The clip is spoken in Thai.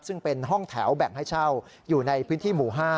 ซึ่งเป็นห้องแถวแบ่งให้เช่าอยู่ในพื้นที่หมู่๕